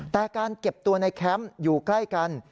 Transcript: แต่การเก็บตัวในแคมป์อยู่ใกล้กัน